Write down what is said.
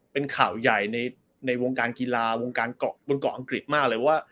เป็นข่าวใหญ่ในวงการกีฬาวงการเกาะบนเกาะอังกฤษมากเลยว่า